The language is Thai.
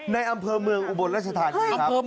ในอำเภอเมืองอุบลรัชธานีครับ